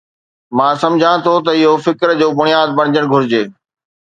مان سمجهان ٿو ته اهو فڪر جو بنياد بڻجڻ گهرجي.